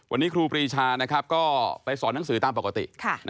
วันนี้ครูปรีชาก็ไปสอนหนังสือตามปกติ